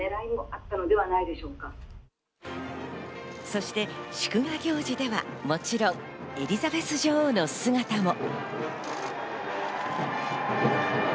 そして祝賀行事では、もちろんエリザベス女王の姿も。